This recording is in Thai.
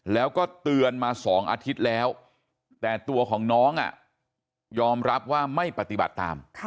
แล้วก็เตือนมา๒อาทิตย์แล้วแต่ตัวของน้องยอมรับว่าไม่ปฏิบัติตาม